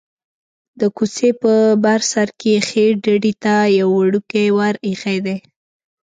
د کوڅې په بر سر کې ښيي ډډې ته یو وړوکی ور ایښی دی.